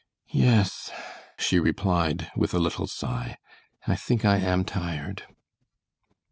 "Yes," she replied, with a little sigh, "I think I am tired."